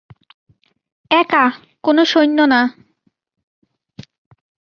একা, কোনো সৈন্য না।